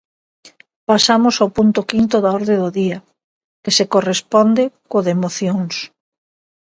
Pasamos ao punto quinto da orde do día, que se corresponde co de mocións.